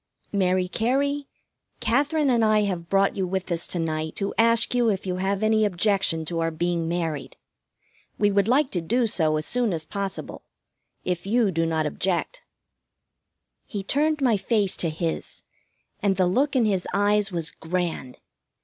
"Mary Cary, Katherine and I have brought you with us to night to ask if you have any objection to our being married. We would like to do so as soon as possible if you do not object." He turned my face to his, and the look in his eyes was grand.